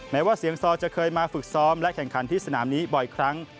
ว่าเสียงซอจะเคยมาฝึกซ้อมและแข่งขันที่สนามนี้บ่อยครั้ง